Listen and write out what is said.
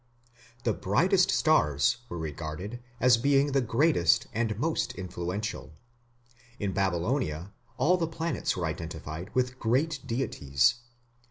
The brightest stars were regarded as being the greatest and most influential. In Babylonia all the planets were identified with great deities.